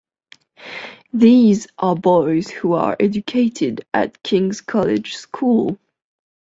These are boys who are educated at King's College School.